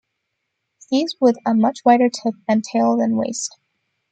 Skis with a much wider tip and tail than waist.